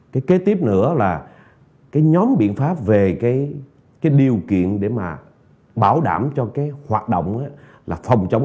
cái kế tiếp nữa là cái nhóm biện pháp về cái điều kiện để mà bảo đảm cho cái hoạt động là phòng chống